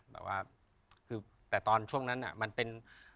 แบบว่าคือแต่ตอนช่วงนั้นมันเป็น